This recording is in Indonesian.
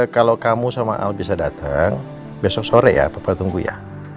kalau kamu sama al bisa datang besok sore ya papa tunggu ya